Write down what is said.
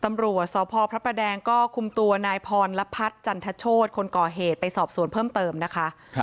ตำรวจสพพระประแดงก็คุมตัวนายพรพัฒน์จันทโชธคนก่อเหตุไปสอบสวนเพิ่มเติมนะคะ